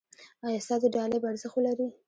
ایا ستاسو ډالۍ به ارزښت ولري؟